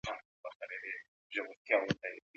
فساد د هیوادونو د بربادۍ سبب کیږي.